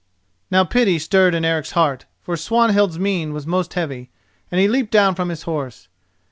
Now pity stirred in Eric's heart, for Swanhild's mien was most heavy, and he leaped down from his horse.